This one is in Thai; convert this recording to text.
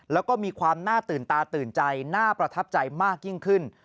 แล้วก็มีความน่าตื่นตาตื่นใจน่าประทับใจมากยิ่งขึ้น